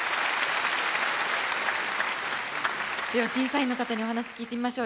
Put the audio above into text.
では審査員の方にお話聞いてみましょう。